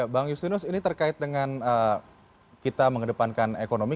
bang justinus ini terkait dengan kita mengedepankan ekonomi